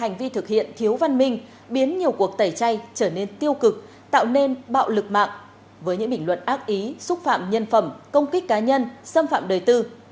hành vi thực hiện thiếu văn minh biến nhiều cuộc tẩy chay trở nên tiêu cực tạo nên bạo lực mạng với những bình luận ác ý xúc phạm nhân phẩm công kích cá nhân xâm phạm đời tư